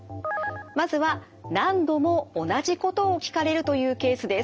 まずは何度も同じことを聞かれるというケースです。